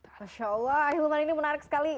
ilman ini menarik sekali